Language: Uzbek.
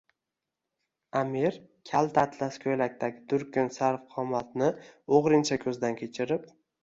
Аmir kalta atlas koʼylakdagi durkun, sarvqomatni oʼgʼrincha koʼzdan kechirib